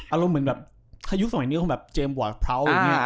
อารมณ์สมัยนี้คงฆ่าเจมบอร์สพร้าว